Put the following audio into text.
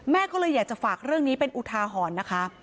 ก็เลยอยากจะฝากเรื่องนี้เป็นอุทาหรณ์นะคะ